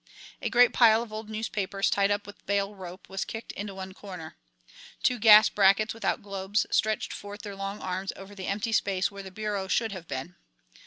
A great pile of old newspapers tied up with bale rope was kicked into one corner. Two gas brackets without globes stretched forth their long arms over the empty space where the bureau should have been.